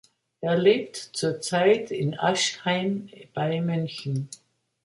Er lebt zurzeit in Aschheim bei München.